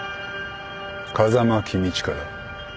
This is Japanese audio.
風間公親だ。